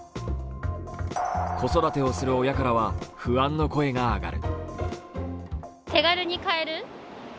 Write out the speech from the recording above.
子育てをする親からは不安の声が上がる。